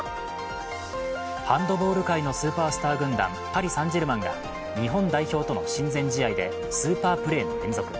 ハンドボール界のスーパースター軍団、パリ・サン＝ジェルマンが日本代表との親善試合でスーパープレーの連続。